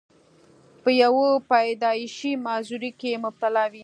پۀ يو پېدائشي معذورۍ کښې مبتلا وي،